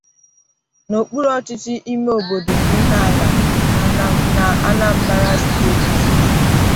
n'okpuru ọchịchị ime obodo Ihiala na Anambra Steeti